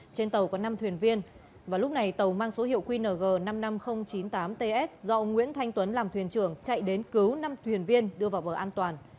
trên tàu có năm thuyền viên và lúc này tàu mang số hiệu qng năm mươi năm nghìn chín mươi tám ts do ông nguyễn thanh tuấn làm thuyền trưởng chạy đến cứu năm thuyền viên đưa vào vở an toàn